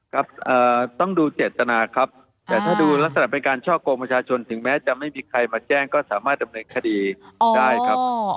ครับต้องดูเจตนาครับแต่ถ้าดูลักษณะเป็นการช่อกงประชาชนถึงแม้จะไม่มีใครมาแจ้งก็สามารถดำเนินคดีได้ครับ